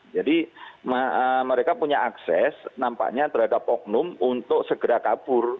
jadi mereka punya akses nampaknya terhadap oknum untuk segera kabur